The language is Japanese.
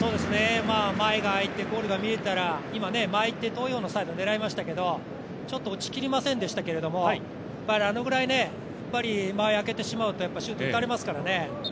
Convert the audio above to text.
前が空いてゴールが見えたら今、巻いてサイドを狙いましたけれども、ちょっと落ち切りませんでしたけど、あのぐらい前を開けてしまうとシュート打たれますからね。